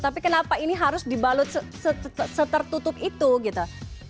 tapi kenapa ini harus dibalut setertutup itu gitu